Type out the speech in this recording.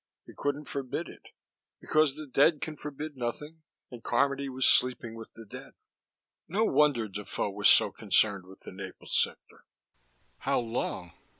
He couldn't forbid it, because the dead can forbid nothing, and Carmody was sleeping with the dead. No wonder Defoe was so concerned with the Naples sector! How long?